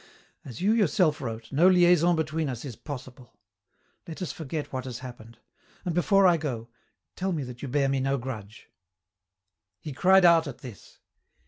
As you yourself wrote, no liaison between us is possible. Let us forget what has happened. And before I go, tell me that you bear me no grudge." He cried out at this.